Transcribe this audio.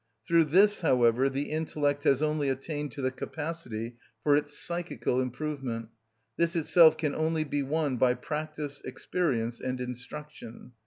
Through this, however, the intellect has only attained to the capacity for its psychical improvement; this itself can only be won by practice, experience, and instruction.